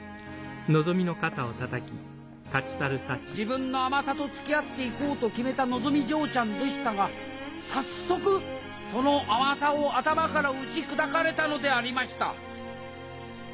自分の甘さとつきあっていこうと決めたのぞみ嬢ちゃんでしたが早速その甘さを頭から打ち砕かれたのでありました。